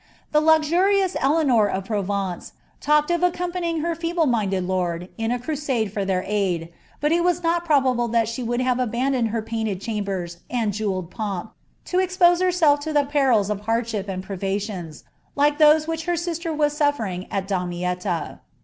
The luxurious Eleanor of Provence talked of accom panying her feeble minded lord in a crusade for their aid, but it was not probable that she would abandon her painted chambers and jewelled pomp, to expose herself to the peril of hardships and privations, like those which her sister was sufl^ering at Damietta.